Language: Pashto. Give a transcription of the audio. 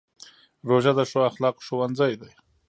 روژه د ښو اخلاقو ښوونځی دی.